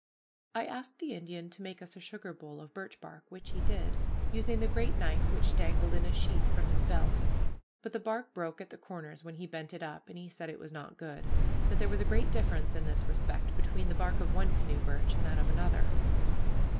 I asked the Indian to make us a sugar bowl of birch bark, which he did, using the great knife which dangled in a sheath from his belt; but the bark broke at the corners when he bent it up, and he said it was not good that there was a great difference in this respect between the bark of one canoe birch and that of another.